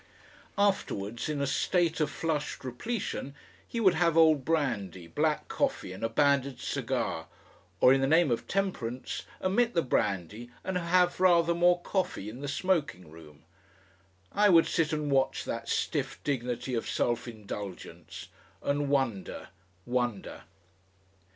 Afterwards, in a state of flushed repletion, he would have old brandy, black coffee, and a banded cigar, or in the name of temperance omit the brandy and have rather more coffee, in the smoking room. I would sit and watch that stiff dignity of self indulgence, and wonder, wonder....